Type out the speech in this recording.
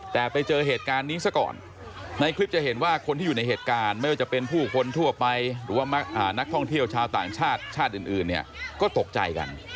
แต่ไปเจอเหตุการณ์นี้ซะก่อนในคลิปจะเห็นว่าคนที่อยู่ในเหตุการณ์ไม่ว่าจะเป็นผู้คนทั่วไปหรือว่านักท่องเที่ยวชาวต่างชาติชาติอื่นเนี่ยก็ตกใจกัน